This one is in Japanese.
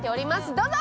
どうぞ！